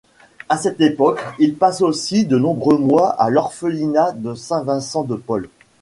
À cette époque il passe aussi de nombreux mois à l'orphelinat de Saint-Vincent-de-Paul.